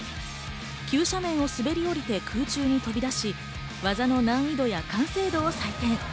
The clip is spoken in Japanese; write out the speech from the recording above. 急斜面を滑り降りて空中に飛びだし、技の難易度や完成度を採点。